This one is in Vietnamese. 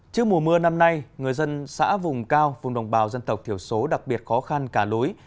trước mùa mưa năm nay người dân xã vùng cao vùng đồng bào dân tộc thiểu số đặc biệt khó khăn cả lối